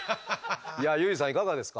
いやユージさんいかがですか？